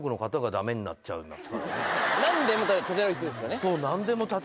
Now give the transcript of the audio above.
何でも立てられる人ですからね。